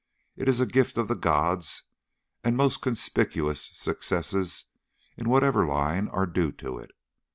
It is a gift of the gods, and most conspicuous successes, in whatever line, are due to it.